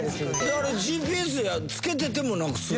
あれＧＰＳがつけててもなくすの？